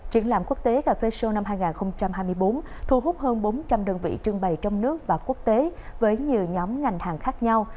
triển lãm quốc tế cà phê show năm hai nghìn hai mươi bốn thu hút hơn bốn trăm linh đơn vị trưng bày trong nước và quốc tế với nhiều nhóm ngành hàng khác nhau